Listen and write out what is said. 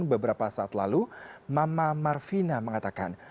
beberapa saat lalu mama marvina mengatakan